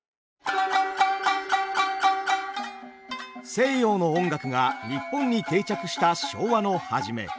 西洋の音楽が日本に定着した昭和の初め